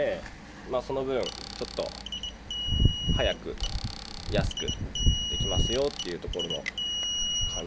まあその分ちょっと早く安くできますよというところの感じですね。